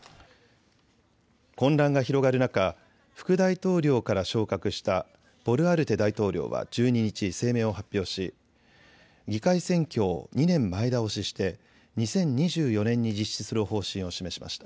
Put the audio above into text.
混乱が広がる中、副大統領から昇格したボルアルテ大統領は１２日、声明を発表し議会選挙を２年前倒しして２０２４年に実施する方針を示しました。